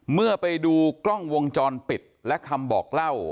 เมื่อไปดูกล้องวงจรปิดและคำบอกเล่า